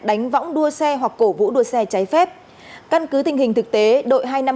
đánh võng đua xe hoặc cổ vũ đua xe trái phép căn cứ tình hình thực tế đội hai trăm năm mươi tám